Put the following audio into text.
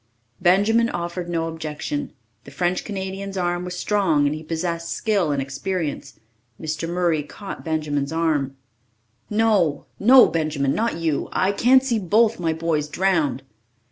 Benjamin offered no objection. The French Canadian's arm was strong and he possessed skill and experience. Mr. Murray caught Benjamin's arm. "No, no, Benjamin not you I can't see both my boys drowned."